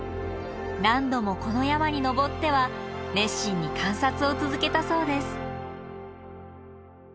何度もこの山に登っては熱心に観察を続けたそうです。